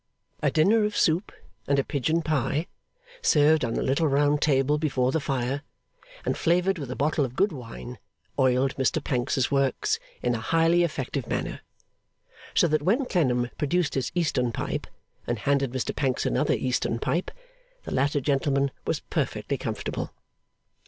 A dinner of soup and a pigeon pie, served on a little round table before the fire, and flavoured with a bottle of good wine, oiled Mr Pancks's works in a highly effective manner; so that when Clennam produced his Eastern pipe, and handed Mr Pancks another Eastern pipe, the latter gentleman was perfectly comfortable.